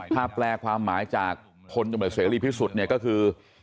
ถ้าแปลความหมายจากพลตำรวจเสรีพิสุทธิ์เนี่ยก็คือ